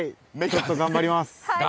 ちょっと頑張ります。